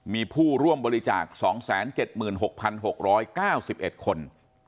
มีผู้ร่วมบริจาค๒๗๖๖๙๑คน